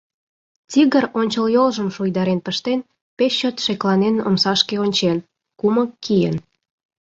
Тигр, ончыл йолжым шуйдарен пыштен, пеш чот шекланен омсашке ончен, кумык киен.